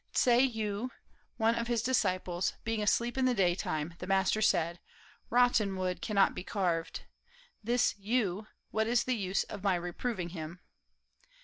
"Tsae yu, one of his disciples, being asleep in the day time, the master said, 'Rotten wood cannot be carved. This Yu what is the use of my reproving him?'"